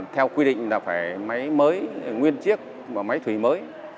theo quy định là phải máy mới nguyên chiếc và máy thủy mới